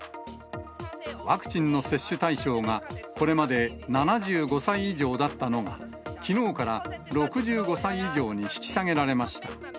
ワクチンの接種対象がこれまで７５歳以上だったのが、きのうから６５歳以上に引き下げられました。